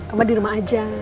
oma di rumah aja